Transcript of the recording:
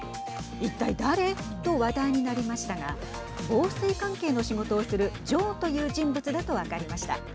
一体誰と話題になりましたが防水関係の仕事をするジョーという人物だと分かりました。